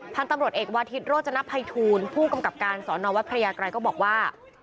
พันธุ์ตำรวจเอกวาทิศโรจนภัยทูลผู้กำกับการสอนอวัดพระยากรัยก็บอกว่า